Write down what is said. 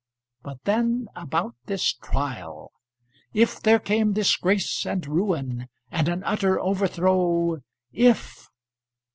But then, about this trial. If there came disgrace and ruin, and an utter overthrow? If